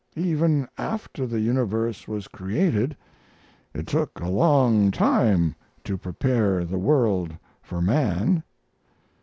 Even after the universe was created, it took a long time to prepare the world for man.